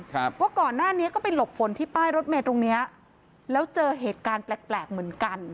ว่าก่อนหน้านี้ก็ไปหลบฝนที่ป้ายรถเมย์ตรงเนี้ยแล้วเจอเหตุการณ์แปลกแปลกเหมือนกัน